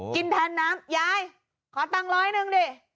กินแทนน้ำยายขอตังค์ร้อยหนึ่งดิ